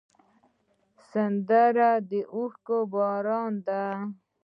سندره د اوښکو باران ده